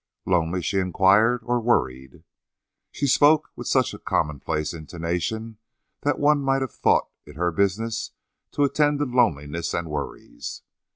"Lonely?" she inquired. "Or worried?" She spoke with such a commonplace intonation that one might have thought it her business to attend to loneliness and worries.